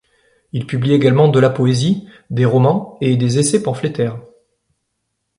Il publie également de la poésie, des romans et des essais pamphlétaires.